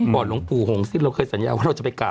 หลวงปู่หงสิ้นเราเคยสัญญาว่าเราจะไปกราบ